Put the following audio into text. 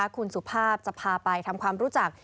คุณสุภาพจะพาไปทำความรู้จัก